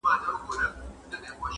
• را ایستل یې رنګ په رنګ داسي ږغونه -